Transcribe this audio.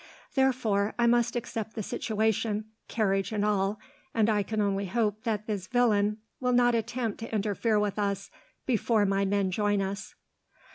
Therefore, I must accept the situation, carriage and all, and I can only hope that this villain will not attempt to interfere with us before my men join us.